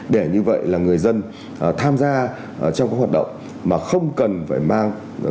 để như vậy là người dân tham gia trong cái hoạt động mà không cần phải mang